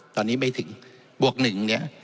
ตอนนี้ไม่ถึงบวก๑เนี่ย